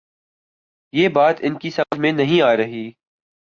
یہ بات ان کی سمجھ میں نہیں آ رہی۔